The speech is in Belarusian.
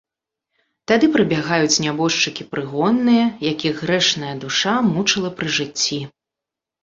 Тады прыбягаюць нябожчыкі прыгонныя, якіх грэшная душа мучыла пры жыцці.